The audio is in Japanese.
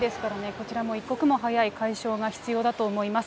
こちらも一刻も早い解消が必要だと思います。